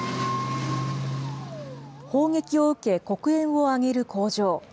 砲撃を受け、黒煙を上げる工場。